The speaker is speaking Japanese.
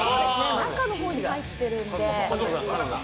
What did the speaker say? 中の方に入ってるので。